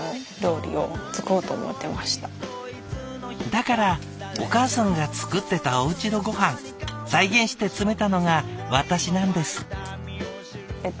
「だからお母さんが作ってたおうちのごはん再現して詰めたのが私なんです」。